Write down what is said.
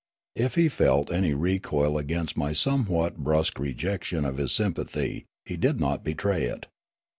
If he felt any recoil against my somewhat brusque rejection of his sym pathy, he did not betray it.